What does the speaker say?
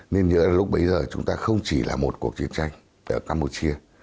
nên như ở lúc bấy giờ chúng ta không chỉ là một cuộc chiến tranh ở campuchia